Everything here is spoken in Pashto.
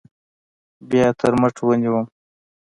بيا يې تر مټ ونيوم.